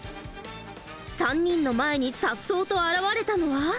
３人の前にさっそうと現れたのは。